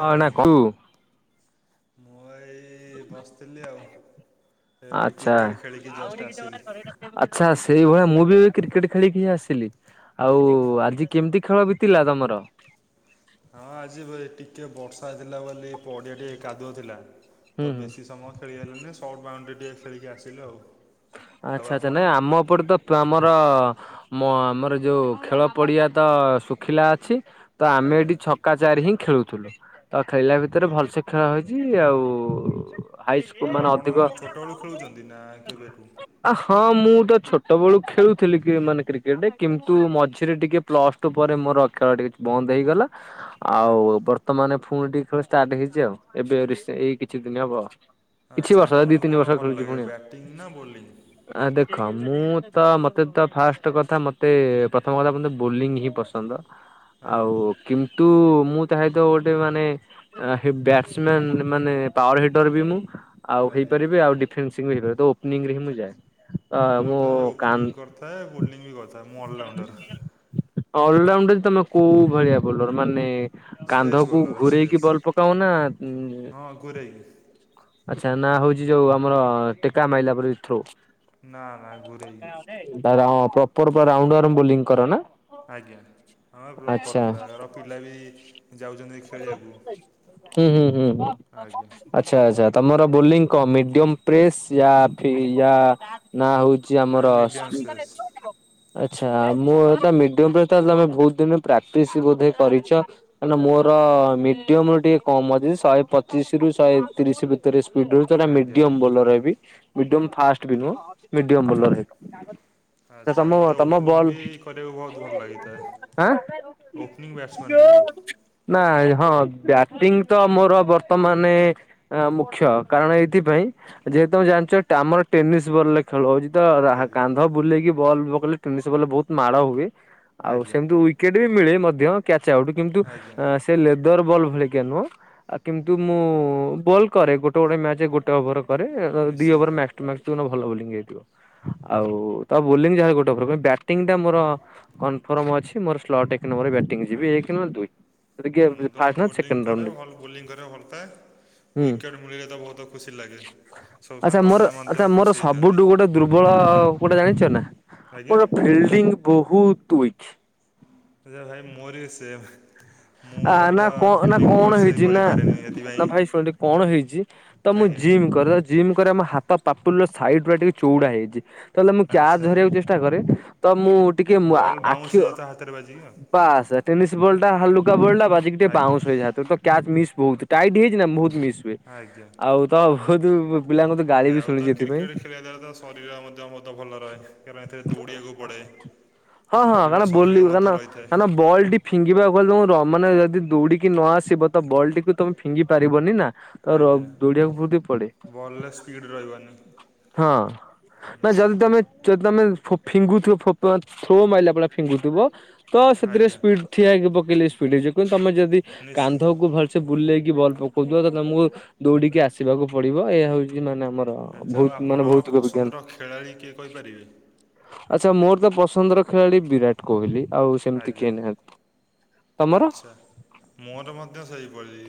ତାର ହଁ ନା ଭାଇ କହୁ ମୁଁ ଏଇ ବସଥିଲି ଆଉ। ଏଇ ଏବେ ଆଚ୍ଛା କ୍ରିକେଟ୍ ଖେଳିକି ଜଷ୍ଟ ଆସିଲି। ଆଚ୍ଛା ସେଇଭଳିଆ ମୁଁ ବି କ୍ରିକେଟ ଖେଳିକି ହିଁ ଆସିଲି ଆଉ ଆଜି କେମତି ଖେଳ ବିତିଲା ତମର? ହଁ ଆଜି ପ ଟିକେ ବର୍ଷା ହେଇଥିଲା ବୋଲି ପଡ଼ିଆ ଟିକେ କାଦୁଅ ଥିଲା ହୁଁ ତ ହୁଁ ବେଶୀ ସମୟ ଖେଳି ହେଲେନେଇ ସର୍ଟ ବାଉଣ୍ଡ୍ରି ଟିକେ ଖଳିକି ଆସିଲୁ ଆଉ। ଆଉ ଆଚ୍ଛା ଆଚ୍ଛା ଆପଣ? ନାଇଁ ଆମ ଓପରେ ତ ତୁ ଆମର ମ ଆମର ଯୋଉ ଖେଳ ପଡିଆ ତ ଶୁଖିଲା ଅଛି ତ ଆମେ ଆଜ୍ଞା। ଏଠି ଛ କା ଚାରି ହିଁ ଖେଳୁଥୁଲୁ ତ ଖେଳିଲା ଭିତରେ ଭଲସେ ଖେଳ ହେଇଚି ଆଉ ହାଇସ୍କୁଲ ଆଉ ମାନେ ଆପଣ ଅଧିକ କଣ ଛୋଟବେଳୁ ଖେଳୁଚନ୍ତି ନା କେବେଠୁ? ଆ ହଁ ମୁଁ ତ ଛୋଟବେଳୁ ଖେଳୁଥିଲି କି ମାନେ କ୍ରିକେଟେ କିନ୍ତୁ ମଝିରେ ଟିକେ ପ୍ଲସ୍ ଟୁ ପରେ ମୋର ଖେଳ ଟିକେ ଚ୍ ବନ୍ଦ ହେଇଗଲା ହ ଆଉ ବର୍ତ୍ତମାନେ ଫୁଣି ଟିକେ ଖେଳ ଷ୍ଟାର୍ଟେ ହେଇଚି ଆଉ ଏବେ ରିସେ ଏଇ କିଛି ଦିନ ହବ। କିଛି ବର୍ଷ ଏ ଦିଇ ତିନି ବର୍ଷ ଖେଳୁଚି ପୁଣି। ବ୍ୟାଟିଙ୍ଗ୍ ନା ବୋଲିଙ୍ଗ୍? ଆ ଦେଖ ମୁଁ ତ ମତେ ତ ଫାଷ୍ଟେ କଥା ମତେ ପ୍ରଥମ କଥା ବୋଲିଂ ହିଁ ପସନ୍ଦ ଆଜ୍ଞା ଆଉ କିନ୍ତୁ ମୁଁ ଚାହେଁତ ତ ଗୋଟେ ମାନେ ଆଁ ହି ବ୍ୟାଟସମ୍ୟାନ୍ ମାନେ ପାୱାର ହିଟର ବି ମୁଁ ଆଉ ଆଜ୍ଞା। ହେଇପାରିବି ଆଉ ଡିଫେନ୍ସିଂ ହେଇପାରେ ତ ଓପନିଂରେ ହିଁ ମୁଁ ଯାଏ। ହଁ ମୁଁ ମତେ କା ଓପନିଂ କରିଥାଏ ବୋଲିଂ ବି କରିଥାଏ ମୁଁ ଅଲରାଉଣ୍ଡର। ଅଲରାଉଣ୍ଡର ଜେ ତମେ କୋଉ ଭଳିଆ ବୋଲର ମାନେ ସ୍ପେସ୍ କାନ୍ଧକୁ ବୋଲର ଘୁରେଇକି ସ୍ପେସ୍ ବଲ୍ ପକାଅ ନା? ହଁ ଘୁରେଇକି। ଆଚ୍ଛା ନା ହଉଛି ଯୋଉ ଆମର ଟେକା ମାଇଲା ପରି ଥ୍ରୋ? ନା ନା ଗୁରେଇ ତାରେ ହଁ ପ୍ରପର ପ ରାଉଣ୍ଡୱାରମ ବୋଲିଂ କର ନା? ଆଜ୍ଞା। ହଁ ବ୍ଲକର ଆଚ୍ଛା। ପୁରା ର ପିଲା ବି ଯାଉଛନ୍ତି ଖେଳିବାକୁ। ହୁଁ ହୁଁ ଆଜ୍ଞା ହୁଁ। ଆଚ୍ଛା ଆଚ୍ଛା ତମର ବୋଲିଂ କଣ ମିଡିୟମ ପ୍ରେସ ୟା ଫି ୟା ନା ହଉଛି ନା ଆମର ମିଡ଼ିୟମ୍ ସେସ୍ ଆଚ୍ଛା ମୁଁ ହେଟା ମିଡିଅମ ପ୍ରେସଟା ତମେ ବହୁତ ଦିନ ପ୍ରାକ୍ଟିସ ବୋଧେ କରିଛ? କାରଣ ମୋର ମିଡିୟମ ରୁ ଟିକେ କମ ଅଛି ଶହେ ପଚିଶି ରୁ ଶହେ ତିରିଶି ଭିତ ସ୍ପିଡରହୁଛି ହେଟା ଆଜ୍ଞା ମିଡିୟମ ଆଜ୍ଞା ବୋଲର ହେବି ମିଡିୟମ ଫାଷ୍ଟ ବି ନୁହଁ ମିଡିୟମ ବୋଲର ଆଜ୍ଞା ହେବି। ତ ଆଚ୍ଛା ତମ ମୋର ତମ ଓପନିଂ ବଲ୍ ବି କରିବାକୁ ବହୁତ ଭଲ ଲାଗିଥାଏ। ଆଁ ଓପନିଂ ବ୍ୟାଟ୍ସମ୍ୟାନ୍ ବି ମୁଁ। ନା ହଁ ବ୍ୟାଟିଂ ତ ମୋର ବର୍ତ୍ତମାନେ ମୁଁ ଖ୍ୟ କାରଣ ଏଇଥିପାଇଁ ଯେହେତୁ ତମେ ଜାଣିଛ ଆମର ଟେନିସ୍ ବଲ ଲେ ଖେଳ ହଉଛି ତ ଆଜ୍ଞା କାନ୍ଧ ବୁଲେଇକି ବଲ୍ ପକେଇଲେ ଟେନିସ ବଲ୍ ରେ ବହୁତ ମାଡ଼ ହୁଏ। ଆଉ ଆଜ୍ଞା ସେମିତି ୱିକେଟ ବି ମିଳେ ମଧ୍ୟ କ୍ୟାଚ ଆଉଟ୍ କିନ୍ତୁ ଆଜ୍ଞା ସେ ଲେଦର ବଲ୍ ଭଳିିକା ନୁହଁ ଆ କିନ୍ତୁ ମୁଁ ବଲ କରେ ଗୋଟେ ଗୋଟେ ମ୍ୟାଚରେ ଗୋଟେ ଓଭର କରେ ଦି ନିଶ୍ଚିନ୍ତ ଓଭର ମାକ୍ସ ଟୁ ମାକ୍ସ ଯଉଦିନ ଭଲ ବୋଲିଂ ହେଇଥିବ ଆଉ ତ ବୋଲି ଯାହାଲେ ଗୋଟେ ଓଭର କିନ୍ତୁ ବ୍ୟାଟ ଟ୍ଟିଂ ଟା ମୋର କନଫର୍ମ ଅଛି ମୋର ସ୍ଲଟ ଏକ ନଂର ବ୍ୟାଟିଂ। ବ୍ୟାଟିଂ ଯିବି ଆଜ୍ଞା ଏକ ନହେ ଦୁଇ ଜଦି ଗେ ମୁଁ ତ ଫାଷ୍ଟ ନ ବୋଲିଂ ସେକେଣ୍ଡ କରେ ରନରେ ଜିବି ଭଲ ବୋଲିଂ କରିବାକୁ ଭଲପାଏ ୱିକେଟ୍ ମିଳିଲେ ତ ବହୁତ ଖୁସି ଲାଗେ। ସବୁ ଆଚ୍ଛା ସାଙ୍ଗମାନେ ମୋର ମଧ୍ୟ ଆଚ୍ଛା ଖୁସି ମୋର ହେଇଥାନ୍ତି ସବୁଠୁ ଗୋଟେ ଦୁର୍ବଳ କଉଟା ଜାଣିଛ ନା? ଆଜ୍ଞା ମୋର ଫିଲ୍ଡିଂ ବହୁତ ଉଇକ୍। ଆଛା ଭାଇ ମୋର ବି ସେମ୍। ମୁଁ ଆ ମଧ୍ୟ ନା କଣ ନା ଫିଲ୍ଡିଂ କଣ ଭଲସେ ହେଇଛି ନା କରିପାରେନି ସେଥିପାଇଁ ନା ଭାଇ ଶୁଣ ଟିକେ କଣ ହେଇଛି ତ ମୁଁ ଆଜ୍ଞା ଜିମ୍ କରେ ଜିମ୍ କରି ଆମ ହାତ ପାପୁଲିର ସାଇଡଗୁରା ଟିକେ ଚଉଡା ହେଇଛି। ତାହେଲେ ମୁଁ କ୍ୟାଚ ଆଚ୍ଛା ଧରିବାକୁ ଚେଷ୍ଟା କରେ ତ ମୁଁ ଟିକେ ମୁଁ ବଲ୍ ବାଉନ୍ସ ଆଖି ହେଇଯାଇଥିବ ହାତରେ ବାଜିକି ଆଉ ବାସ ଟେନିସ୍ ବଲ୍ଟା ହାଲୁକା ବଲଟା ବାଜିକି ଟିକେ ଆଜ୍ଞା ବାଉନ୍ସ ହେଇଯାଏ ହାତରୁତ କ୍ୟାଚ ମିସ୍ ବହୁତ ଟାଇଟ ହେଇଛି ନା ବହୁତ ମିସ୍ ହୁଏ ଆଜ୍ଞା ଆଉ ତ ବହୁତ ପିଲାଙ୍କୁ ତ ଏହାଉ ତ କ୍ରିକେଟ ଖେଳିବା ଦ୍ଵାରା ତ ଶରୀର ମଧ୍ୟ ବହୁତ ଭଲ ରହେ କାରଣ ଏଥିରେ ଦୌଡ଼ିବାକୁ ପଡ଼େ। ହଁ ହଁ ଶରୀର କାରଣ ବୋଲିଂ ସକ୍ରିୟ କାରଣ ମଧ୍ୟ ରହିଥାଏ। କାରଣ ବଲ୍ ଟି ଫିଙ୍ଗିବାକୁ ଗଲେ ତମ ମାନେ ଯଦି ଦୌଡିକି ନ ଆସିବ ତ ବଲ୍ ଟିକୁ ତମେ ଫିଙ୍ଗି ପାରିବନି ନା। ତ ର ଆଜ୍ଞା ଦୌଡିବାକୁ ବହୁତ ପଡେ। ବଲ୍ରେ ସ୍ପିଡ଼୍ ରହିବନି ହଁ ନା ଯଦି ନିଶ୍ଚିନ୍ତ ତମେ ଯଦି ତମେ ଫୋ ଫିଙ୍ଗୁଥିବ ଥ୍ରୋ ମାରିଲା ଭଳିଆ ଫିଙ୍ଗୁଥିବ ତ ସେଥିରେ ଆଜ୍ଞା ସ୍ପିଡ଼ ଠିଆହେଇକି ପକେଇଲେ ସ୍ପିଡ ଜେ କିନ୍ତୁ ତମେ ଯଦି ନିଶ୍ଚିନ୍ତ କାନ୍ଧକୁ ଭଲ ସେ ବୁଲେଇକି ବଲ୍ ପକଉଥିବା ତ ତମକୁ ଦୌଡିକି ଆସିବାକୁ ପଡିବ ଏହା ହେଉଛି ମାନେ ଆମର ତ ଆଚ୍ଛା ଆଉ ଭୌ ମାନେ ଆପଣଙ୍କ ଭୌତିକ ବିଜ୍ଞାନ। ପସନ୍ଦର ଖେଳାଳି କିଏ କହିପାରିବେ ଆଚ୍ଛା ମୋର ତ ପସନ୍ଦର ଖେଳାଳି ବିରାଟ କୋହଲି ଆଉ ସେମିତି ଆଜ୍ଞା କିଏ ନାହାନ୍ତି। ତମର ଆଚ୍ଛା। ମୋର ମଧ୍ୟ ସେଇପରିଛି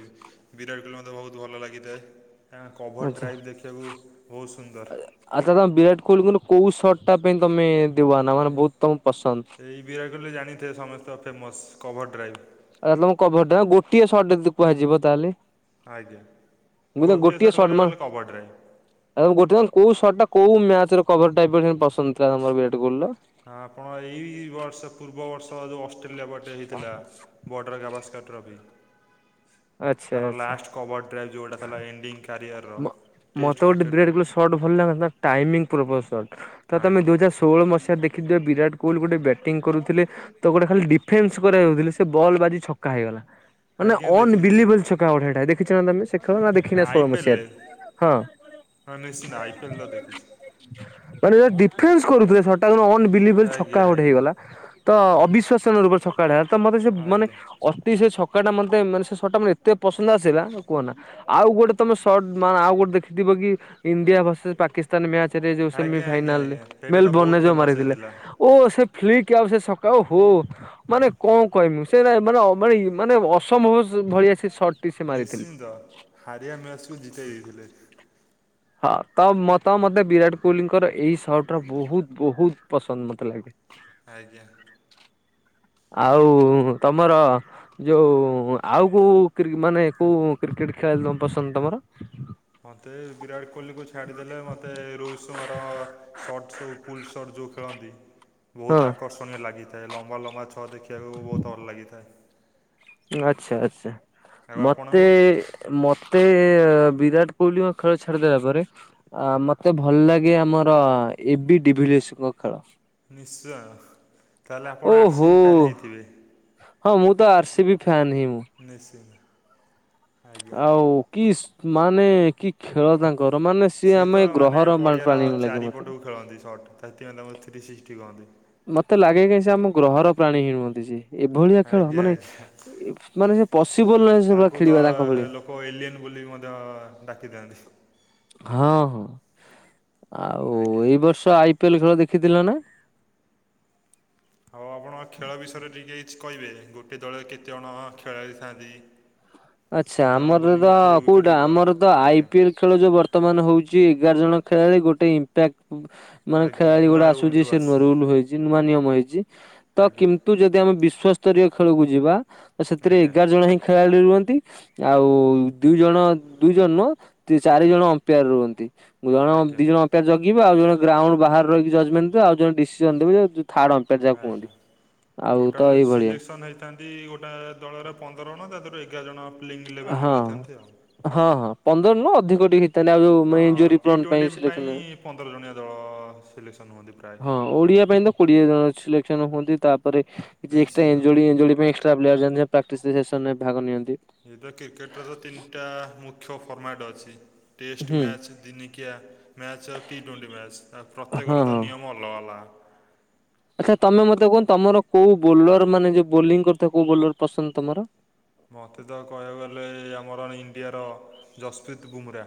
ବିରାଟ ମୋତେ ବହୁତ ଭଲ ଲାଗିଥାଏ। ତାଙ୍କ କଭର୍ ଆଚ୍ଛା। ଡ୍ରାଇଭ୍ ଦେଖିବାକୁ ବହୁତ ସୁନ୍ଦର। ଆଚ୍ଛା ତମେ ବିରାଟ କୋହଲିଙ୍କର କୋଉ ସର୍ଟଟା ପାଇଁ ତମେ ଦିବାନା ମାନେ ଏ- ବହୁତ ତମକୁ ପସନ୍ଦ। ଏଇ ବିରାଟ କୋହଲି ଜାଣିଥିବେ ସମସ୍ତଙ୍କ ଫେମସ୍ କଭର୍ ଡ୍ରାଇଭ୍। ଆଉ ତମ କଭରଟା ଗୋଟିଏ ସର୍ଟ ଯଦି କୁହାଯିବ ତାହେଲେ। ଆଜ୍ଞା ମୁଁ ତ ଗୋଟେ ଗୋଟିଏ ସର୍ଟ ସଟ୍ ମାନ ମାରିବାକୁ ଗଲେ କବଡ଼ ରେ। [unintelligible] କୋଉ ସର୍ଟ ଟା କୋଉ ମ୍ୟାଚ୍ ର କଭର ଟାଇପ୍ ର ପସନ୍ଦ ଥିଲା ତମର ବିରାଟ କୋହିଲ ର। ହଁ, ଆପଣ ଏଇ ବର୍ଷ ପୂର୍ବ ବର୍ଷ ଯଉ ଅଷ୍ଟ୍ରେଲିଆ ବ ଟେ ହୋଇଥିଲା ବର୍ଡ଼ର ଗା ଭସ୍କର ଟ୍ରଫି। ଆଚ୍ଛା ତାର ଆଚ୍ଛା ଲାଷ୍ଟ କଭଡ ଡ୍ରାଇ ଯଉଟା ଥିଲା ଏଣ୍ଡିଙ୍ଗ କ୍ୟାରିଅର ଟେଷ୍ଟ କ୍ରିକେଟ୍ ର। [unintelligible] ଟାଇମିଙ୍ଗ ପୂର୍ବ ସଟ୍ ତ ତମେ ଆଜ୍ଞା ଦୁଇ ହଜାର ସ ଷୋହଳ ମସିହା ଦେଖିିବଥିବେ ବିରାଟ କୋହଲି ଗୋଟେ ବ୍ୟାଟିଂଙ୍ଗ କରୁଥିଲେ। ତ ଗୋଟେ ଖାଲି ଡିଫେନ୍ସ କରିବାକୁ ଯାଉ ଥିଲେ ସେ ବଲ୍ ବାଜି ଛକା ହେଇଗଲା। ମାନେ ଆଜ୍ଞା ଅନ ଦେଖିଛି ବିଲିଂ ବିଲ୍ ଦେଖିଛି ଛକା ଗୋଟେ ହେଟା ଦେଖଛ ନା ତମେ ସେ ଖେଳ ନା ଦେଖିନା ଆଇ ଷୋହଳ ପି ଏଲ୍ରେ ମସିହାରେ। ହଁ। ହଁ ନିଶ୍ଚିତ ଆଇପିଏଲ୍ ତ ଦେଖିଛି। ମାନେ ଡିଫେନ୍ସ କରୁଥିଲେ ସଟ୍ ଟା କିନ୍ତୁ ଅନ୍ ବିଲିଭିଲ୍ ଛକା ଆଜ୍ଞା ଗୋଟେ ଆଜ୍ଞା ହେଇଗଲା। ତ ଅବିଶ୍ଵାସ ରୂପରେ ଛକା ଟା ତ ମତେ ସେ ମାନେ ଆଜ୍ଞା ଅତି ସେ ଛକା ଟା ମତେ ମାନେ ସେ ସ ଟା ମତେ ଏତେ ପସନ୍ଦ ଆସିଲା କୁହନା ଆଉ ଗୋଟେ ତମ ସ। ସଟ୍ ମାନେ ଆଉ ଗୋଟେ ଦେଖିଥିବ କି ଇଣ୍ଡିଆ ଭରର୍ଷେସ ପାକି ସ୍ତାନ ମ୍ୟାଚରେ ଯଉ ସେମି ଆଜ୍ଞା ଆଜ୍ଞା ଫାଇନାଲରେ ଆଜ୍ଞା ସେଇଟା ତ ମେଲ୍ ବହୁତ ବର୍ଣ୍ଣ ଯଉ ଫେମସ୍ ମାରିଥିଲେ। ହେଇଥିଲା। ଓ ସେ ଫ୍ଲିକ ଆଉ ସେ ଛକା ଓହୋ। ମାନେ କଣ କହିବି ମୁଁ ସେରା ମାନେ ଅ ମାନେ ଇ ମାନେ ଅସମ୍ଭବ ଭଳିଆ ସେ ସଟ୍। ନିଶ୍ଚିନ୍ତ, ହାରିଆ ମ୍ୟାଚ୍ କୁ ଜିତେଇ ଦେଇଥିଲେ। ହଁ ତ ମ ତ ମତେ ବିରାଟ କୋହିଲିଙ୍କର ଏଇ ସର୍ଟ ରା ବହୁତ୍ ବହୁତ୍ ପସନ୍ଦ ମତେ ଲା ଆଜ୍ଞା। ଆଉ ତମର ଯୋଉ ଆଉ କୋଉ କ୍ରି ମାନେ କୋଉ କ୍ରିକେଟ୍ ଖେଳାଳି ତମ ପସନ୍ଦ ତମର? ମତେ ବିରାଟ କୋହିଲି କୁ ଛାଡ଼ିଦେଲେ ମୋତେ ରୋହିତ ଶର୍ମାର ସର୍ଟ ସବୁ ଫୁଲ୍ ସର୍ଟ ଯଉ ଖେଳନ୍ତି। ହଁ ବହୁତ୍ ଆକର୍ଷଣୀୟ ଲାଗିଥାଏ ଲମ୍ବା ଲମ୍ବା ଛ ଦେଖିବାକୁ ବହୁତ୍ ଭଲ ଲାଗିଥାଏ। ଆଚ୍ଛା ଆଚ୍ଛା ଆଉ ମତେ ଆପଣଙ୍କୁ? ମତେ ବିରାଟ କୋହିଲିଙ୍କ ଖେଳ ଛାଡିଦେଲା ପରେ ଆ ମତେ ଭଲ ଲାଗେ ଆମର ଏ ବି ଡିଭିଲେସ ଙ୍କ ଖେଳ। ନିଶ୍ଚୟ। ତାହେଲେ ଆପଣ ଆର୍ ସି ଓହୋ ବି ଫ୍ୟାନ୍ ହେଇଥିବେ ହଁ ମୁଁ ତ ଆର୍ ସି ବି ଫ୍ୟାନ୍ ହିଁ ମୁଁ। ନିଶ୍ଚିନ୍ତ। ଆଜ୍ଞା। ଆଉ କିସ୍ ମାନେ କି ଖେଳ ତାଙ୍କର ମାନେ। ସିଏ ଆମେ ତ ମାନେ ଗ୍ରହର ପଡ଼ିଆର ପ୍ରାଣୀ ଲାଗେ ମତେ। ଚାରିପଟକୁ ଖେଳନ୍ତି ସଟ୍ ସେଥିପାଇଁ ତାଙ୍କୁ ଥ୍ରୀ ଶିକ୍ଟି କହନ୍ତି। ମତ ଲାଗେ କାହିଁ ସେ ଆମ ଗ୍ରହର ପ୍ରାଣୀ ହିଁ ନୁହଁନ୍ତି ସେ। ଏଭଳିଆ ଖେଳ ଆଜ୍ଞା ମାନେ ଆଜ୍ଞା ଏ ମାନେ ସେ ପସିପୁଲ ନୁହେଁ ସେଭଳିଆ ଖେଳିବା ତା [unintelligible] ଲୋକ ଏଲିଇନ ବୋଲି ମଧ୍ୟ ଡାକିଥାନ୍ତି। ହଁ ହଁ, ଆଉ ଆଜ୍ଞା। ଏଇ ବର୍ଷ ଆଇ ପିଏଲ୍ ଖେଳ ଦେଖିଥିଲ ନା? ହଉ ଆପଣ ଖେଳ ବିଷୟରେ ଟିକେ କିଛି କହିବେ ଗୋଟେ ଦଳ କେତେଜଣ ଖେଳାଳି ଥାନ୍ତି? ଆଚ୍ଛା, ଆମର ତ ୱିକେଟ୍ କୋଉଟା କିପର୍ ଆମର ତ ଆଇ ଆଜ୍ଞା ପିଏଲ୍ ଖେଳ ଯୋଉ ବର୍ତ୍ତମାନ ହଉଛି ଏଗାର ଜଣ ଖେଳାଳି ଗୋଟେ ଇପ୍ୟାକ୍। ମାନେ ଆଜ୍ଞା ଖେଳାଳି ନୂଆ ଗୁଡା ରୁଲ୍ ଆସୁଛି ଯେଉଁ ସେ ନୂଆ ଆସିଛି। ରୁଲ ହେଇଛି ନୂଆ ନିୟମ ହେଇଛି ତ ଆଜ୍ଞା କିନ୍ତୁ, ଯଦି ଆମ ବିଶ୍ଵ ସ୍ତରୀୟ ଖେଳକୁ ଯିବା ତ ସେଥିରେ ଆଜ୍ଞା ଏଗାର ଜଣ ହିଁ ଖେଳାଳି ରୁହ ଆଉ ଦୁଇ ଜଣ ଦୁଇ ଜଣ ନୁହଁ ତି ଚାରି ଜଣ ଅମ୍ପେୟାର ରୁହନ୍ତି। ଜଣ ଆଜ୍ଞା ଦି ଜଣ ଅମ୍ପେୟାର ଜଗିବେ, ଆଉ ଜଣେ ଗ୍ରାଉଣ୍ଡ ବାହାରେ ରହିିକି ଜଜମେଣ୍ଟ ଦେବେ, ଆଉ ଜଣେ ଡିସିସନ୍ ଦେବେ, ର୍ଥାଡ ଟା ଯାହାକୁ କୁହନ୍ତି ଆଜ୍ଞା। ଆଉ ତ ଏଇଭଳିଆ। ଥାନ୍ତି ଗୋଟେ ଦଳରେ ପନ୍ଦର ଜଣ ତା ଦେହରୁ ଏଗାର ଜଣ ପ୍ଲେଇଙ୍ଗ ଇଲେଭେନେ ହଁ ରହିଥାନ୍ତି ଆଉ। ହଁ ହଁ ପନ୍ଦର ନୁ ଅଧିକ ଟିକେ ହେଇ ହଁ ଟି ଟ୍ୱେଣ୍ଟି ପାଇଁ ପନ୍ଦର ଜଣିଆ ଦଳ ସିଲେକ୍ସନ୍ ହୁଅନ୍ତି ପ୍ରାୟେ। ହଁ ଓଡିଆ ପାଇଁ ତ କୋଡିଏ ଜଣ ସିଲେକ୍ସନ ହୁଅନ୍ତି ତାପରେ କିଛି ଏକ୍ସଟ୍ରା ନିଶ୍ଚିନ୍ତ। ଏଞ୍ଜଡି ଏଞ୍ଜଡି ପାଇଁ। ତ ପିଲା ଅଛନ୍ତି ପ୍ରାକ୍ଟିସ ସେସନରେ ଭାଗ ନିଅନ୍ତି। ଏଇ ତ କ୍ରିକେଟ୍ର ର ତିନିଟା ମୁଖ୍ୟ ଫର୍ମାଟ ଅଛି। ଟେଷ୍ଟ ହୁଁ ମ୍ୟାଚ୍, ଦିନିକିଆ ମ୍ୟାଚ୍, ଆଉ ଟି ଟୋଣ୍ଟି ମ୍ୟାଚ୍, ହଁ ପ୍ରତ୍ୟେକର ତ ହଁ ନିୟମ ଅଲଗା, ଅଲଗା ଆଚ୍ଛା ତମେ ମତେ କୁହ, ତମର କୋଉ ବୋଲର ମାନେ ଯୋଉ ବୋଲିଂ କରିୁ ଥିବ କୋଉ ବୋଲର ପସନ୍ଦ ତମର? ମୋତେ ତ କହିବାକୁ ଗଲେ ଆମର ଇଣ୍ଡିଆର ଯସ୍ପ୍ରୀତ ବୁମ୍ରା।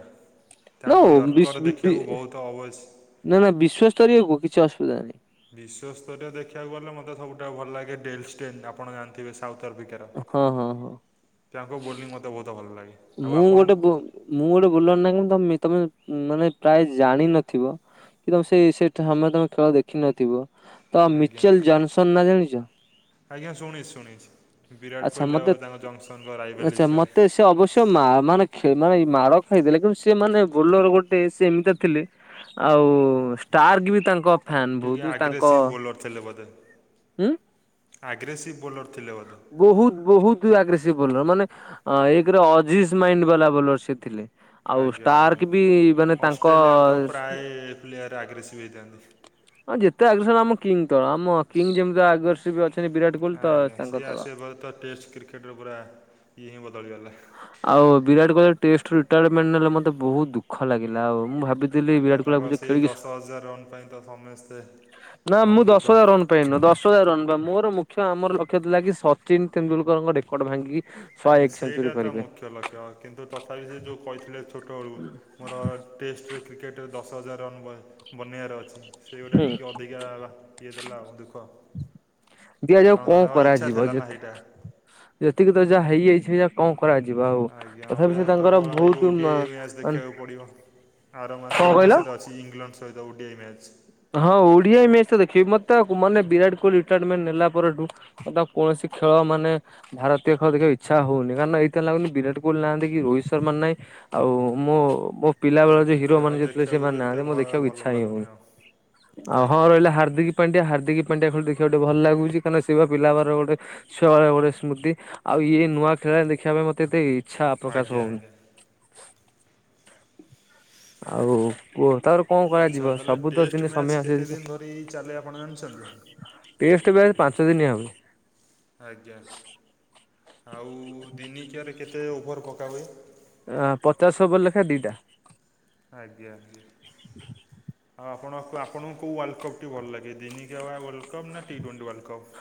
ନୋ ତାଙ୍କ ବିଶ୍ ୟର୍କର ବି ବି ଦେଖିବାକୁ ବୋହୁତ୍ ଅବଶ୍। ନା ନା ବିଶ୍ୱସ୍ତରୀୟ କୁ କିଛି ଅସୁବିଧା ନାହିଁ। ବିଶ୍ୱସ୍ତରୀୟ ଦେଖିବାକୁ ଗଲେ ମୋତେ ସବୁଠା ଭଲ ଲାଗେ ଡେଲ୍ ଷ୍ଟେନ୍ ଆପଣ ଜାଣିଥିବେ ସାଉଥ୍ ଆଫ୍ରିକା ହଁ ହଁ ହଁ। ତାଙ୍କ ବୋଲିଂ ମତେ ବହୁତ ଭଲ ଲାଗେ। ଆଉ ମୁଁ ଗୋଟେ ଆପଣଙ୍କୁ ବୁ-ମୁଁ ଗୋଟେ ବୁଲର୍ ନାକି ତମେ ମାନେ ପ୍ରାୟ ଜାଣିନଥିବ କି ତମେ ସେଇ ସେ ସମୟ ତମେ ଖେଳ ଦେଖିନଥିବ ତ ଆଜ୍ଞା ମିଚୁଆଲ୍ ଜନ୍ସନ୍ ନା ଜାଣିଛ? ଆଜ୍ଞା ଶୁଣିଛି ଶୁଣିଛି। ବିରାଟ୍ ଆଚ୍ଛା କୋହଲି ମତେ ଆଉ ତାଙ୍କ ଜନ୍ସନ୍ ଦ୍ଵାରା ରାଇଭେଲି ଆଚ୍ଛା ବିଷୟରେ। ମତେ ସେ ଅବଶ୍ୟ ମା ମାନେ ଖେ- ମାନେ ଏ ମାଡ଼ ଖାଇଦେଲେ କିନ୍ତୁ ସେ ମାନେ ବୋଲ୍ଲର ଗୋଟେ ସେ ଏମିତା ଥିଲେ ଆଉ ଷ୍ଟାର୍ଗ ବି ତାଙ୍କ ଫ୍ୟାନ ଟିକେ ବହୁତ ତାଙ୍କ ଆଗ୍ରେସିଭ୍ ବୋଲର ଥିଲେ ବୋଧେ? ଉଁ ଆଗ୍ରେସିଭ୍ ବୋଲର ଥିଲେ ବୋଧେ? ବୋହୁତ୍, ବୋହୁତ୍ ଆଗ୍ରେସିଭ୍ ବୋଲର, ମାନେ ଏକ୍ ରେ ଅଜିସ୍ ମାଇଣ୍ଡ ବାଲା ବୋଲର ସେ ଥିଲେ। ଆଉ ଆଜ୍ଞା ଆଜ୍ଞା ଷ୍ଟାର୍କି ବି ମାନେ ତାଙ୍କ ପ୍ଲେୟାର୍ ଆଗ୍ରେସିଭ୍ ହେଇଥାନ୍ତି। ହଁ ଯେତେ ଆଗର୍ସଣ ଆମ କିଙ୍ଗ ତ ଆମ କିଙ୍ଗ ଯେମିତି ଆଗର୍ସ ବି ଅଛନ୍ତି ବିରାଟ କୋହଲି ତ ଆଜ୍ଞା। ତାଙ୍କ ସିଏ ତଳ। ଆସିବା ପରେ ତ ଟେଷ୍ଟ କ୍ରିକେଟର ପୁରା ଇଏ ହିଁ ବଦଳିଗଲା। ଆଉ ବିରାଟ କୋହଲି ଟେଷ୍ଟରୁ ରିଟାୟାରମେଣ୍ଟ ନେଲା ମତେ ବୋହୁତ୍ ଦୁଃଖ ଲାଗିଲା। ଆଉ ମୁଁ ଭାବିି ଆଜ୍ଞା ତାଙ୍କ ସେଇ ଦଶ ହଜାର ରନ୍ ପାଇଁ ତ ସମସ୍ତେ ନା ମନ ମୁଁ ଦୁଃଖ। ଦଶ ହଜାର ରନ୍ ପାଇଁ ନୁହଁ, ଦଶ ହଜାର ରନ୍ ବା ମୋର ମୁଖ୍ୟ ଆମର ଲକ୍ଷ୍ୟ ଥିଲା କିି ସଚିନ୍ ତେନ୍ଦୁଲକରଙ୍କ ରେକର୍ଡ ଭାଙ୍ଗିକି ଶହେ ଆଜ୍ଞା ଏକ ସେଇଟା ସେଞ୍ଚୁରୀ ତ କରିବେ। ମୁଖ୍ୟ ଲକ୍ଷ୍ୟ। କିନ୍ତୁ ତଥାପି ସେ ଯୋଉ କହିଥିଲେ ଛୋଟବେଳୁ ମୋର ଟେଷ୍ଟରେ କ୍ରିକେଟ୍ ର ଦଶ ହଜାର ରନ୍ ବ-ବନାଇବାର ଅଛି। ସେଇଗୁଡା ହୁଁ ଟିକେ ଅଧିକା ଇଏ ଦେଲା ଆଉ ଦୁଃଖ। ଦିଆଯାଉ ଛୁଆଙ୍କ କଣ ତାଙ୍କ ଇଚ୍ଛା କରାଯିବ ଥିଲା ନା ଯେତେ ହେଇଟା। ଯେତିକି ତ ଯାହା ହେଇଯାଇଛି ସେଇୟା କଣ କରାଯିବ ଆଉ? ଆଜ୍ଞା ତଥାପି ଅବିହା ସେ ତ ତାଙ୍କର କେବଳ ହେଇ ବହୁତ ମାନେ ଓଡ଼ିଆଇ ମ୍ୟାଚ୍ କଣ ଦେଖିବାକୁ ପଡ଼ିବ। ଆର ମାସ ଏଇ କହିଲ ମାସରେ ଅଛି ଇଂଲଣ୍ଡ ସହିତ ଓଡ଼ିଆଇ ମ୍ୟାଚ୍। ହଁ ଓଡିଆଇ ମ୍ୟାଚ୍ ତ ଦେଖିବି। ମତେ ମାନେ ବିରାଟ କୋହଲି ରିଟାୟାରମେଣ୍ଟ ନେଲା ପରଠୁ ଏଦା କୌଣସି ଖେଳ ମାନେ ଭାରତୀୟ ଖେଳ ଦେଖିବା ପାଇଁ ଇଛା ହଉନି, କାରଣ ଏଇଥିଲା ଲାଗନି ବିରାଟ କୋହଲି ନାହାନ୍ତି କି ରୋହିତ୍ ଶର୍ମା ନାହିଁ ଆଉ ମୋ, ମୋ ପିଲା ବେଳ ଯିଏ ଆଜ୍ଞା ହିରୋ ଖେଳ ମାନେ ଯିଏ ଥିଲେ, ଦେଖିବାକୁ ବି ସେମାନେ ଏତେ ନାହାନ୍ତି ଭ ମୋର ଦେଖିବାକୁ ଭଲ ଇଚ୍ଛା ହିଁ ଲାଗୁନି ହୋଉନି। ଆଉ। ଆଉ ହଁ ଆଜ୍ଞା ରହିଲା ହାର୍ଦ୍ଦିକ୍ ପାଣ୍ଡିଆ, ହାର୍ଦ୍ଦିକ୍ ପାଣ୍ଡିଆ ଖେଳ ଦେଖିବାକୁ ଟିକେ ଭଲ ଲାଗୁଛି। କାହିଁ କିନା ସେ ବା ପିଲା ବାରେ ଗୋଟେ ଛୁଆ ବେଳେ ଗୋଟେ ସ୍ମୃତି। ଆଉ ଇଏ ନୂଆ ଖେଳାଳି ଦେଖିବା ପାଇଁ ମତେ ଏତେ ଇଚ୍ଛା ପ୍ରକାଶ ଆଜ୍ଞା ହୋଉନି। ଆଜ୍ଞା। ଆଉ କୁହ ତାପରେ କଣ ଆଚ୍ଛା କରାଯିବ। ତାହେଲେ ସବୁ ତ ଟେଷ୍ଟ ସେମିତି ମ୍ୟାଚ୍ ସମୟ କେତେ ଦିନ ଆସିଯିବ ଧରି ଚାଲେ ଆପଣ ଜାଣିଛନ୍ତି? ଟେଷ୍ଟ ଭାଇ ପାଞ୍ଚ ଦିନିଆ ହବ। ଆଜ୍ଞା। ଆଉ ଦିନିକିଆରେ କେତେ ଓଭର ପକା ହୁଏ? ଆ ପଚାଶ ଓଭର ଲେଖାଏ ଦିଇଟା। ଆଜ୍ଞା ଆଜ୍ଞା। ଆଉ ଆପଣ, ଆପଣଙ୍କୁ କୋଉ ୱାର୍ଲ୍ଡ କପ୍ ଟି ଭଲ ଲାଗେ? ଦିନି କିଆ ୱେଲ୍ କପ୍ ନା ଟି ଟ୍ୱେଣ୍ଟି ୱାର୍ଲ୍ଡ କପ୍?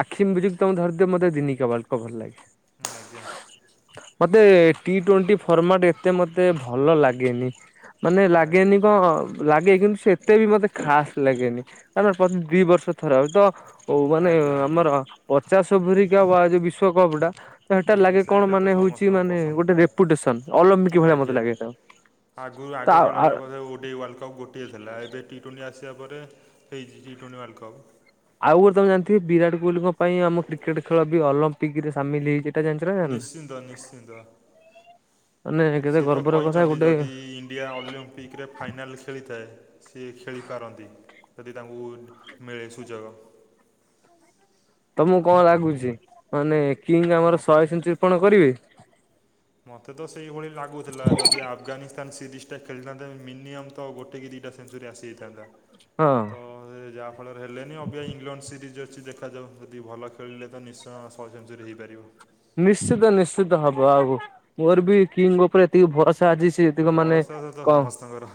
ଆଖିମ୍ ବୁଜିକ୍ ତମେ ଧରିଥିବ ମତେ ଦିନି କିଆ ୱାଲ୍ କପ୍ ଭଲ ଲାଗେ। ଆଜ୍ଞା। ମତେ ଟି ଟ୍ୱେଣ୍ଟି ଫର୍ମାଟ ଏତେ ମତେ ଭଲ ଲାଗେନି। ମାନେ ଆଜ୍ଞା ଲାଗେନି କଣ ଲାଗେ କିନ୍ତୁ ସେ ଏତେ ବି ମତେ ଖାସ୍ ଲାଗେନି [unintelligible] ପ୍ରତି ଦି ବର୍ଷରେ ଥରେ ଆଉ ତ ଓଉ ମାନେ ଆଜ୍ଞା ଆଜ୍ଞା ଆମର ପଚାଶ ଓଭୋରିକା ବା ଯୋଉ ବିଶ୍ଵକପ୍ ଟା ତ ହେଟା ଆଜ୍ଞା ଲାଗେ କଣ ସେଇଟା ତ ମାନେ ହଉଚି ସମସ୍ତଙ୍କ ମାନେ ପସନ୍ଦ ଗୋଟେ ପ୍ରାୟ। ରେପୁଟେସନ ଅଲମ୍ପିକ ଭଳିଆ ମତେ ଲାଗେ ହେଟାକୁ। ଆଗୁରୁ ଆଗ କାଳ ରେ ଲୋକ ଯୋଉ ଡି ୱାଲ୍ କପ୍ ଗୋ ଟିଏ ଥିଲା ଏବେ ଟି ଟ୍ୱେଣ୍ଟି ଆସିବା ପରେ ହେଇଚି ଟି ଟ୍ୱଣ୍ଟି ୱାର୍ଲଡ଼ କପ୍। ଆଉ ଗୋଟେ ତମେ ଜାଣିଥିବ ବିରାଟ କୋହଲିଙ୍କ ପାଇଁ ଆମ କ୍ରିକେଟ ଖେଳ ବି ଅଲମ୍ପିକ ରେ ସାମିଲ ହେଇଚି। ନିଶ୍ଚିନ୍ତ ନିଶ୍ଚିନ୍ତ ମାନେ କେତେ ସିଏ ତ ଗର୍ବର କଥା କଇଚନ୍ତି ଗୋଟେ ଯଦି ଡିଆ ଅଲମ୍ପିକ୍ ରେ ଫାଇନାଲ୍ ଖେଳିଥାଏ ସିଏ ଖେଳିପାରନ୍ତି। ଯଦି ତାଙ୍କୁ ମିଳେ ସୁଯୋଗ। ତମୁକୁ କଣ ଲାଗୁଚି ମାନେ କିଙ୍ଗ ଆମର ମତ- ଶହେ ସେଞ୍ଚୁରି ପଣ କରିବେ? ମତେ ତ ସେଇଭଳି ଲାଗୁଥିଲା ଯଦି ଆଫଗାନିସ୍ତାନ ସିରିଜ ଟା ଖେଳିଥାନ୍ତେ ମିନିୟମ୍ ତ ଗୋଟେ କି ଦିଟା ସେଞ୍ଚୁରି ଆସିଯାଇଥାନ୍ତା। ହଁ। ତ ସେ ଯାହାଫଳରେ ହେଲେନି ଅବିଆ ଇଂଲଣ୍ଡ ସିରିଜ୍ ଅଛି ଦେଖାଯାଉ ଯଦି ଭଲ ଖେଳିଲେ ତ ନିଶ୍ ତ ଶହେ ସେଞ୍ଚୁରି ହେଇପାରିବ। ନିଶ୍ଚିତ ନିଶ୍ଚିତ ହବ ଆଉ ମୋର ବି କିଙ୍ଗ ଉପରେ ଏତିକି ଭରସା ଆଜିସ୍ [unintelligible] ମାନେ ଭରସା ତ କଣ ସମସ୍ତଙ୍କର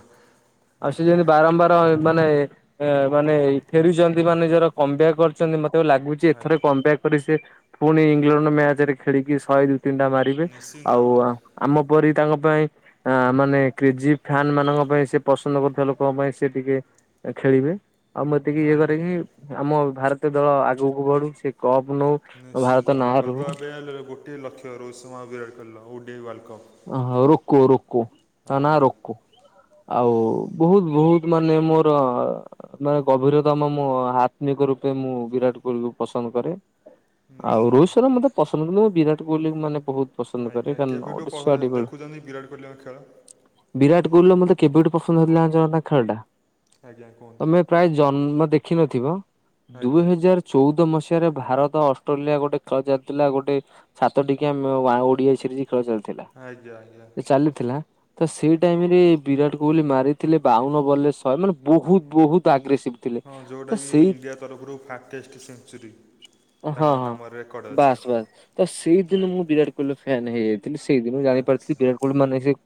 ଆଉ ସେ ଆଜ୍ଞା ଯେମିତି ବାରମ୍ବାର [unintelligible] ମାନେ ଏ ମାନେ ଏଇ ଫେରୁଚନ୍ତି ମାନେ ନିଜର କମ୍ ବ୍ୟାକ୍ କ ଚନ୍ତି ମତେ ଏବେ ଲାଗୁଚି ଏଥରେ ଆଜ୍ଞା କମ୍ ବ୍ୟାକ୍ ପରି ସେ ଫୁଣି ଇଲଣ୍ଡ ମ୍ୟାଚ୍ ରେ ଖେଳିକି ଶଏ ଦୁଇ ତିନି ଟା ମା ରିବେ ନିଶ୍ଚିନ୍ତ ଆଉ ଭାବରେ ଆମ ପରି ତାଙ୍କ ପାଇଁ ଆ ମାନେ କ୍ରେଜି ଫ୍ୟାନ ମାନଙ୍କ ପାଇଁ ସେ ପସନ୍ଦ କରୁଥୁବା ଲୋକଙ୍କ ପାଇଁ ସେ ଟିକେ ଏ ଖେଳିବେ ଆଉ ମୁ ଏତିକି ଇଏ ଆଜ୍ଞା। କରେକି ଆମ ଭାରତୀୟ ଦଳ ଆଗୁକୁ ବଢୁ ସେ କପ୍ ନଉ। ଭାରତ ନିଶ୍ଚିନ୍ତ ନାଁ ରହୁ ତାଙ୍କର [unintelligible] ଗୋଟିଏ ଲକ୍ଷ ରୋହିତ୍ ସମା ଆଉ ବିରାଟ କଇଲ ର [unintelligible] ୱାର୍ଲ୍ଡ କପ୍। ହଁ ହଁ ରୁକୋ ରୁକୋ ତଙ୍କ ନା ଆଜ୍ଞା ରୋକ। ଆଉ ବୋହୁତ ବୋହୁତ ମାନେ ମୋର ମାନେ ଗଭୀର ତମ ମୋ ଆତ୍ମିକ ରୂପେ ମୁଁ ବିରାଟ କୋଇଲିକୁ ପସନ୍ଦ କରେ। ଆଉ ନିଶ୍ଚିନ୍ତ। ରୋହିତ ଶର୍ମା ମତେ ପସନ୍ଦ କିନ୍ତୁ ମୁଁ ବିରାଟ କୋଇଲି କୁ ମାନେ ବହୁତ ପସନ୍ଦ ହଁ କରେ ଆଜ୍ଞା କାରଣ କେବେଠୁ ଗୋଟେ ଛୁଆଟି [unintelligible] ବେଳୁ। ଦେଖୁଚନ୍ତି ବିରାଟ କୋହିଲିଙ୍କ ଖେଳ? ବିରାଟ କୋଇଲ ର ମତେ କେବେଠୁ ପସନ୍ଦ ହେଲା ଜାଞ୍ଚନା ତାଙ୍କ ଖେଳଟା? ଆଜ୍ଞା କୁହନ୍ତୁ। ତମେ ପ୍ରାୟ ଜନ୍ମ ଦେଖିନଥିବ ଦୁଇ ଆଜ୍ଞା ହଜାର ଚଉଦ ମସିହାରେ ଭାରତ ଅଷ୍ଟ୍ରେଲିଆ ଗୋଟେ ଖେଳ ଚାଲିଥିଲା ଗୋଟେ ସାତ ଠିକିଆ ମେ ଓଡିଆ ସିରିଜ ଖେଳ ଚାଲିଥିଲା। ଆଜ୍ଞା ଆଜ୍ଞା। ସେ ଚାଲିଥିଲା। ତ ସେଇ ଟାଇମରେ ବିରାଟ କୋହଲି ମାରିଥିଲେ ବାଉନ ବଲେ ଶହେ ମାନେ ବହୁତ ବହୁତ ଆଗ୍ରେସିଭ ଥିଲେ ହଁ ତ ଯଉଟାକି ସେଇ ଇଣ୍ଡିଆ ତରଫରୁ ଫାକେଷ୍ଟ ସେଞ୍ଚୁରି। ହଁ ହଁ ବାସ୍ ବାସ୍ ତ ସେଇଦିନୁ ମୁଁ ଆଜ୍ଞା ବିରାଟ କୋହଲି ଫ୍ୟାନ୍ ହେଇଯାଇଥିଲି ସେଇଦି ମୁଁ ଜାଣି ଆଚ୍ଛା। ପାରିଥିଲି ବିରାଟ୍ କୋହିଲି ମାନେ ସିଏ